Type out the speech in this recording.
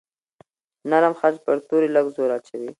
نرم خج پر توري لږ زور اچوي.